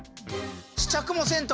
試着もせんと。